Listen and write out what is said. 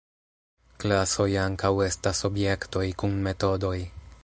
Klasoj ankaŭ estas objektoj kun metodoj.